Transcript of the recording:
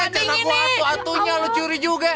celana gue atuh atuhnya lo curi juga